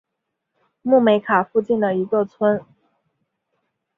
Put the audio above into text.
穆梅卡附近的一个村。